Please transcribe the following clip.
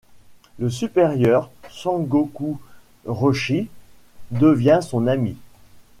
Le supérieur, Sengoku rôshi, devient son ami.